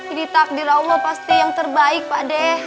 ini takdir allah pasti yang terbaik pak deh